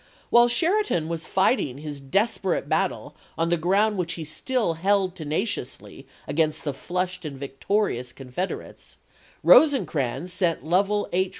While Sheridan was fighting his desperate battle on the ground which he still held tena ciously against the flushed and victorious Con federates, Rosecrans sent Lovell H.